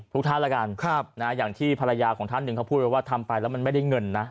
ทุกท่านแล้วกันอย่างที่ภรรยาของท่านหนึ่งเขาพูดไปว่าทำไปแล้วมันไม่ได้เงินนะ